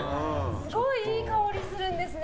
すごい、いい香りするんですね